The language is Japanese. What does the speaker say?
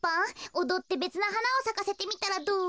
おどってべつなはなをさかせてみたらどう？